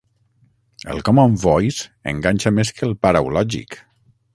El Common voice enganxa més que el Paraulògic.